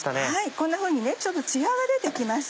こんなふうにちょっとツヤが出て来ます。